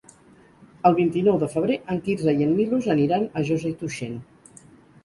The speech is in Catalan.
El vint-i-nou de febrer en Quirze i en Milos aniran a Josa i Tuixén.